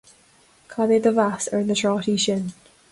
Cad é do mheas ar na trátaí sin?